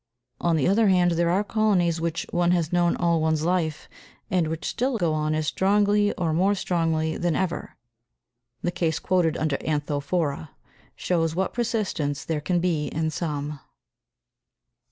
On the other hand there are colonies which one has known all one's life and which still go on as strongly or more strongly than ever the case quoted under Anthophora, p. 63, shows what persistence there can be in some.